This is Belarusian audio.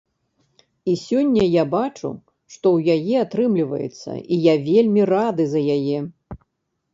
І сёння я бачу, што ў яе атрымліваецца, і я вельмі рады за яе.